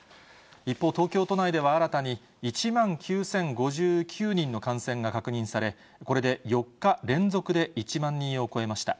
一方、東京都内では新たに、１万９０５９人の感染が確認され、これで４日連続で１万人を超えました。